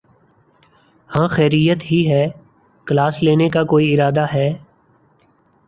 ہاں خیریت ہی ہے۔۔۔ کلاس لینے کا کوئی ارادہ ہے؟